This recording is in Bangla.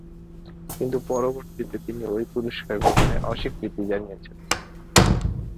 কিন্তু পরবর্তীতে তিনি ঐ পুরস্কার গ্রহণে অস্বীকৃতি জানিয়েছিলেন।